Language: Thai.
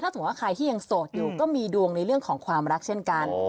สมมุติว่าใครที่ยังโสดอยู่ก็มีดวงในเรื่องของความรักเช่นกัน